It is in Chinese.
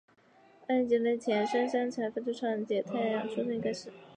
三菱集团的前身三菱财阀的创立者岩崎弥太郎出身于该市。